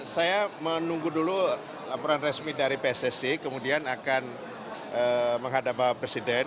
saya menunggu dulu laporan resmi dari pssi kemudian akan menghadap bapak presiden